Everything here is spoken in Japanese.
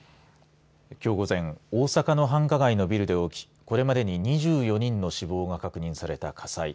きょう午前大阪の繁華街のビルで起きこれまでに２４人の死亡が確認された火災。